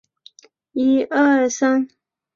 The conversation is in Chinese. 本章节中所示内容均因该栏目已停播而失效